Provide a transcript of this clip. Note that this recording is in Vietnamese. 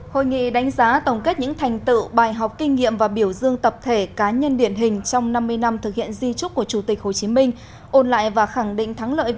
hội nghị đánh giá tổng kết những thành tựu bài học kinh nghiệm và biểu dương tập thể cá nhân điển hình trong năm mươi năm thực hiện di trúc của chủ tịch hồ chí minh